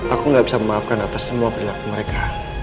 aku gak bisa memaafkan atas semua perilaku mereka